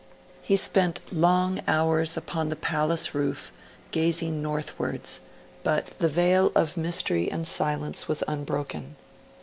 He spent long hours upon the palace roof, gazing northwards; but the veil of mystery and silence was unbroken.